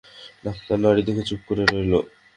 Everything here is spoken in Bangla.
ডাক্তার নাড়ি দেখে চুপ করে রইল।